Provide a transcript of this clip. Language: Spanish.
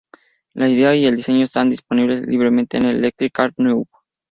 Las ideas y el diseño están disponibles libremente en Electric Car-Now!.